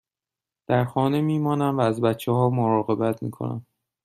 در خانه می مانم و از بچه ها مراقبت می کنم.